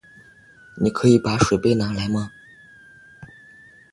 你可以把水杯拿来吗？